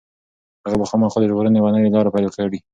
هغه به خامخا د ژغورنې یوه نوې لاره پيدا کړي.